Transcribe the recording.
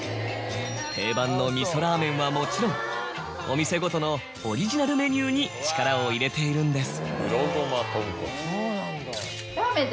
定番の味噌ラーメンはもちろんお店ごとのオリジナルメニューに力を入れているんです。